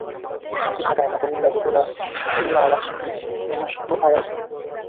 শুধু ঢাকায় না, কুমিল্লা, বগুড়া, খুলনা, রাজশাহী, ময়মনসিংহ কারাগারে ফাঁসি দেওয়া হয়েছে।